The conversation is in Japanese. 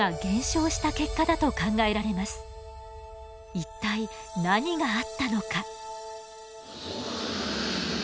一体何があったのか？